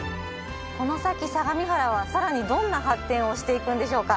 この先相模原は更にどんな発展をしていくんでしょうか？